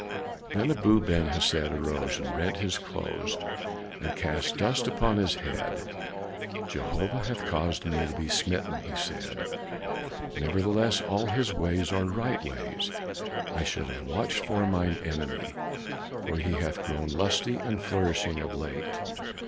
Then Abu Ben Hesed arose and rent his clothes and cast dust upon his head. "Jehovah hath caused me to be smitten," he said. "Nevertheless all his ways are right ways. I should have watched for mine enemy, for he hath grown lusty and flourishing of late.